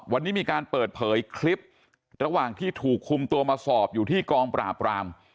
วันนี้มีการเปิดเผยคลิประหว่างที่ถูกคุมตัวมาสอบอยู่ที่กองปราบราม